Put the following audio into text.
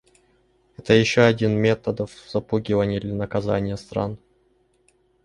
Это еще один методов запугивания или наказания стран.